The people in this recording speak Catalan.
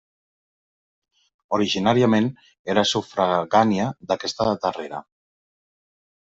Originàriament era sufragània d'aquesta darrera.